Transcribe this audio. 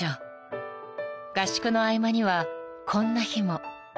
合宿の合間にはこんな日も］